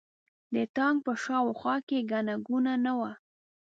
د تانک په شا او خوا کې ګڼه ګوڼه نه وه.